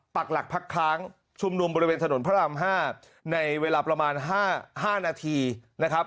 ปักหลักพักค้างชุมนุมบริเวณถนนพระราม๕ในเวลาประมาณ๕นาทีนะครับ